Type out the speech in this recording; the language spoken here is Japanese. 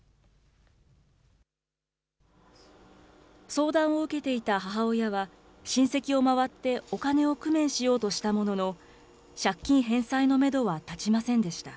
相談を受けていた母親は、親戚を回ってお金を工面しようとしたものの、借金返済のメドは立ちませんでした。